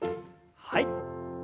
はい。